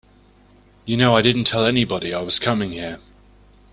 You know I didn't tell anybody I was coming here.